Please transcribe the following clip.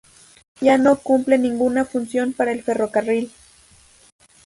Ya no cumple ninguna función para el ferrocarril.